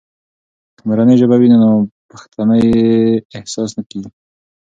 که مورنۍ ژبه وي، نو ناپښتنې احساس نه کیږي.